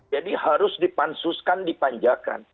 jadi harus dipansuskan dipanjakan